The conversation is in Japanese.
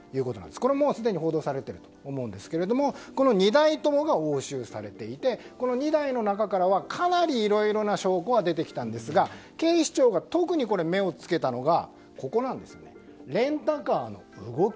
これ、すでに報道されていると思うんですけれどもこの２台ともが押収されていて２台の中からはかなりいろいろな証拠が出てきたんですが警視庁が特に目をつけたのがレンタカーの動き。